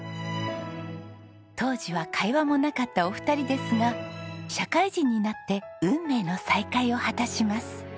当時は会話もなかったお二人ですが社会人になって運命の再会を果たします。